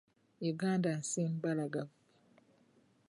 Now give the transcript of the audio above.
Uganda nsi mbalagavu.